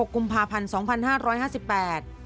๒๖คุมภาพันธ์๒๕๕๘